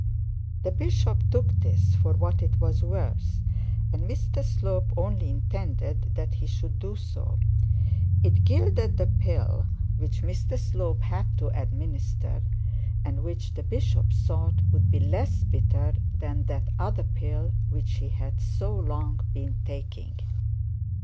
The bishop took this for what it was worth, and Mr Slope only intended that he should do so. It gilded the pill which Mr Slope had to administer, and which the bishop thought would be less bitter than that other pill which he had been so long taking.